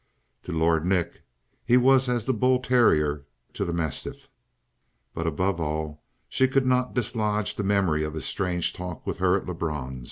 To Lord Nick, he was as the bull terrier to the mastiff. But above all she could not dislodge the memory of his strange talk with her at Lebrun's.